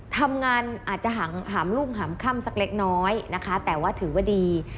ทำงานอาจจะหามรุ่งหามค่ำสักเล็กน้อยนะคะแต่ว่าถือว่าดี